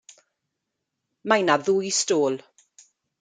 Mae 'na ddwy stôl.